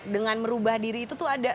dengan merubah diri itu tuh ada